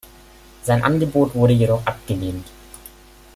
Sein Angebot wurde jedoch abgelehnt.